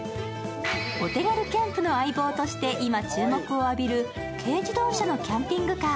お手軽キャンプの相棒として今、注目を浴びる軽自動車のキャンピングカー。